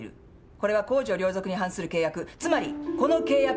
これは公序良俗に反する契約つまりこの契約は無効です。